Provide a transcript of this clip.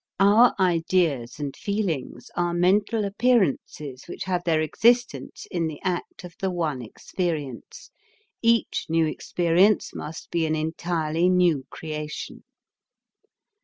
Our ideas and feelings are mental appearances which have their existence in the act of the one experience; each new experience must be an entirely new creation.